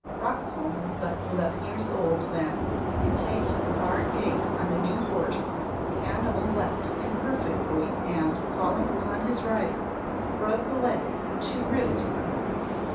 Roxholm was but eleven years old when in taking a barred gate on a new horse the animal leapt imperfectly and, falling upon his rider, broke a leg and two ribs for him.